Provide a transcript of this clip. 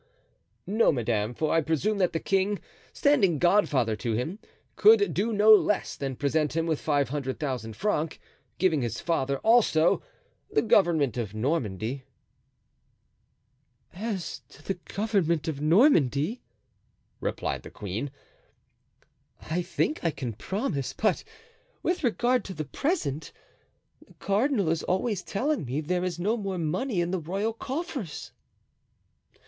"No, madame, for I presume that the king, standing godfather to him, could do no less than present him with five hundred thousand francs, giving his father, also, the government of Normandy." "As to the government of Normandy," replied the queen, "I think I can promise; but with regard to the present, the cardinal is always telling me there is no more money in the royal coffers."